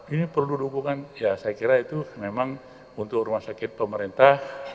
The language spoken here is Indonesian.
ini perlu dukungan ya saya kira itu memang untuk rumah sakit pemerintah